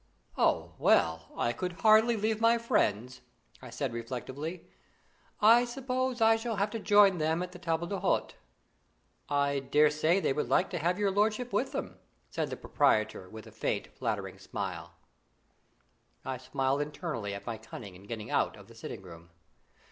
"Oh! well, I could hardly leave my friends," I said reflectively; "I suppose I shall have to join them at the table d'hôte." "I daresay they would like to have your lordship with them," said the proprietor, with a faint, flattering smile. I smiled internally at my cunning in getting out of the sitting room.